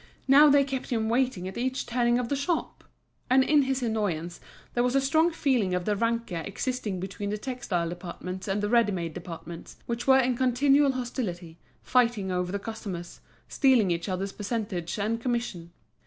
Now they kept him waiting at each turning of the shop! And in his annoyance there was a strong feeling of the rancour existing between the textile departments and the ready made departments, which were in continual hostility, fighting over the customers, stealing each other's percentage and commission.